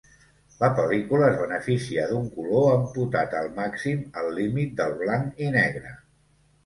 La pel·lícula es beneficia d'un color amputat al màxim, al límit del blanc i negre.